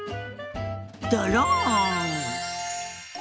ドロン！